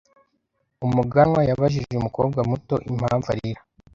Umuganwa yabajije umukobwa muto impamvu arira.